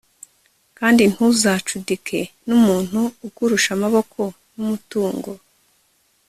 kandi ntuzacudike n'umuntu ukurusha amaboko n'umutungo